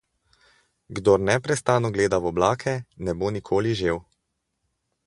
Kdor neprestano gleda v oblake, ne bo nikoli žel.